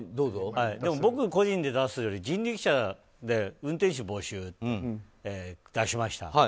でも僕個人で出すより人力舎で運転手募集出しました。